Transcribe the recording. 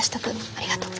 ありがとう。